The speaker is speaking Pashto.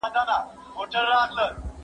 رڼا ته وګوره.